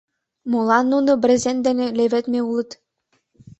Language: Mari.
Молан нуно брезент дене леведме улыт?